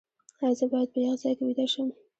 ایا زه باید په یخ ځای کې ویده شم؟